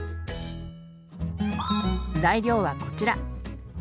材料はこちら。